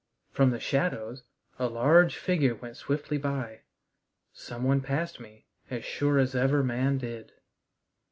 From the shadows a large figure went swiftly by. Some one passed me, as sure as ever man did....